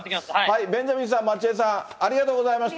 ベンジャミンさん、マチエさん、ありがとうございました。